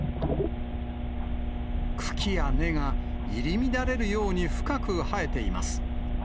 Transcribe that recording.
茎や根が入り乱れるように深く生えています。